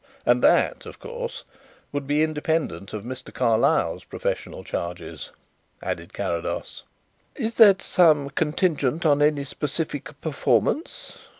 "And that, of course, would be independent of Mr. Carlyle's professional charges," added Carrados. "Is that sum contingent on any specific performance?"